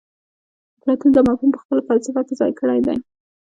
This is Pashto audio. اپلاتون دا مفهوم په خپله فلسفه کې ځای کړی دی